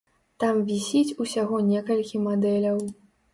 Там вісіць усяго некалькі мадэляў.